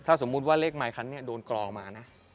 ถ้าสมมุติว่าเลขมาคันนี้โดนกรองมานะ